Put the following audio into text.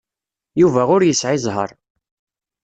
Yuba ur yesɛi zzheṛ.